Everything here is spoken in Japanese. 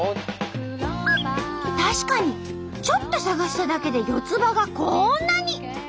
確かにちょっと探しただけで四つ葉がこんなに！